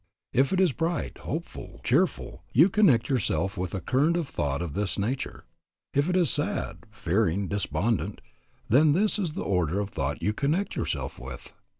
If it is bright, hopeful, cheerful, you connect yourself with a current of thought of this nature. If it is sad, fearing, despondent, then this is the order of thought you connect yourself with.